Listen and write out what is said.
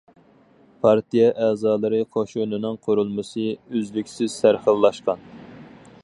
پارتىيە ئەزالىرى قوشۇنىنىڭ قۇرۇلمىسى ئۈزلۈكسىز سەرخىللاشقان.